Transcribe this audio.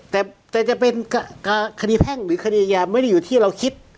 แต่จะเป็นคดีแพ่งหรือคดีอายาไม่ได้อยู่ที่เราคิด